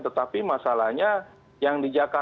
tetapi masalahnya yang dijalankan